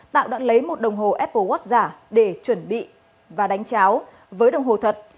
tạo đã lấy một đồng hồ apple watch giả để chuẩn bị và đánh cháo với đồng hồ thật